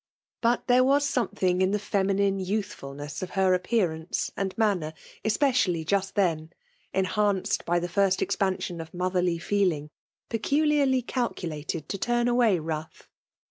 But there was some thing in the feminine youthfulness of her appearance and' manned, especially just then, enhanced by the first expansion of motherly feeling, peculiarly calculated to turn away wrath.